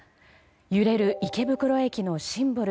揺れる池袋駅のシンボル